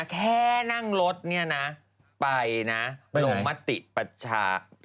แค่นั่งรถเนี่ยนะไปนะลงมติประชา